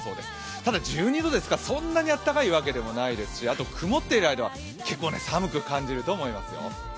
ただ１２度ですから、そんなにあったかいわけでもないですしあと、曇っている間は結構寒く感じると思いますよ。